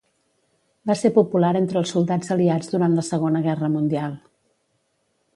Va ser popular entre els soldats aliats durant la Segona Guerra Mundial.